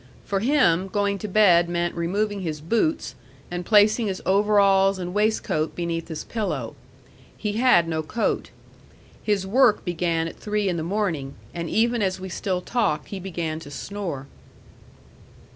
For him, going to bed meant removing his boots and placing his overalls and waistcoat beneath his pillow. He had no coat. His work began at three in the morning; and even as we still talked he began to snore.